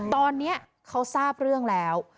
ตอนนี้เขาทราบเรื่องแล้ว